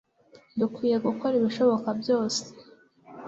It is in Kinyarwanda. dukwiye gukora ibishoboka byose